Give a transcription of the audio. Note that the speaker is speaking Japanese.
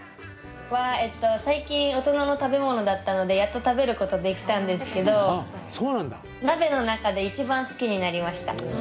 最近大人の食べ物だったのでやっと食べることできたんですけど鍋の中で一番好きになりました。